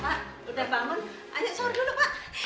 pak udah bangun ayo sahur dulu pak